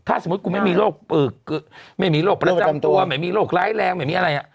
ถ้าสมมุติกูไม่มีโรคไม่มีโรคประจำตัวไม่มีโรคร้ายแรงไม่มีอะไร